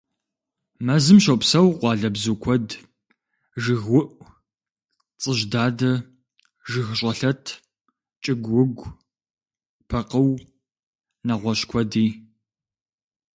Мэзым щопсэу къуалэбзу куэд: жыгыуӀу, цӀыжьдадэ, жыгщӀэлъэт, кӀыгуугу, пэкъыу, нэгъуэщӀ куэди.